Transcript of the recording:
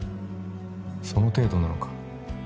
その程度なのか？